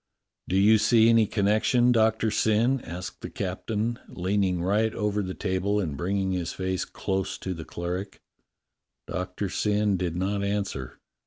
"Do you see any connection, Doctor Syn?" asked the captain, leaning right over the table and bringing his face close to the cleric. Doctor Syn did not answer.